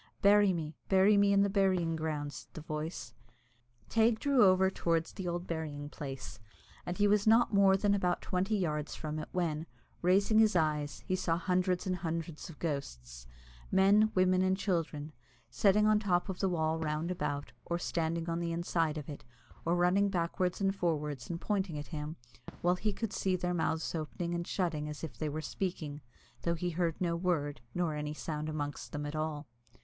"Bury me, bury me in the burying ground," said the voice. Teig drew over towards the old burying place, and he was not more than about twenty yards from it, when, raising his eyes, he saw hundreds and hundreds of ghosts men, women, and children sitting on the top of the wall round about, or standing on the inside of it, or running backwards and forwards, and pointing at him, while he could see their mouths opening and shutting as if they were speaking, though he heard no word, nor any sound amongst them at all.